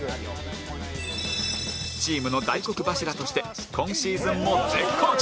チームの大黒柱として今シーズンも絶好調